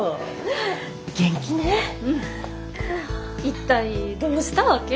一体どうしたわけ？